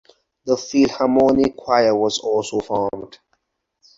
The Philharmonic Choir was also formed.